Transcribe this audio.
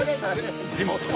地元。